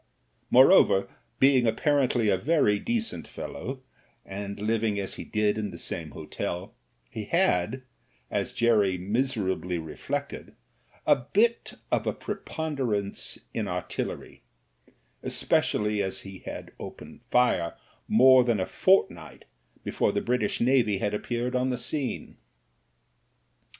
Moreover, being apparently a very decent fel low, and living as he did in the same hotel, he had, as Jerry miserably reflected, a bit of a preponderance in artillery, especially as he had opened fire more than a fortnight before the British Navy had appeared on the scene.